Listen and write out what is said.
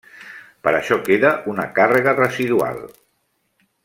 Per això queda una càrrega residual.